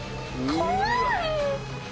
怖い！